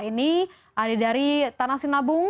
ini dari tanah sinabung